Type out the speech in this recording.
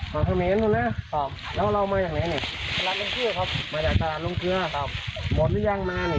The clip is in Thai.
หมดหรือยังมาอย่างนี้